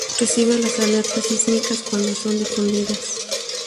Recibe las alertas sísmicas cuando son difundidas.